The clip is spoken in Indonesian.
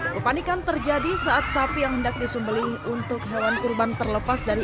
kepanikan terjadi saat sapi yang hendak disembeli untuk hewan kurban terlepas dari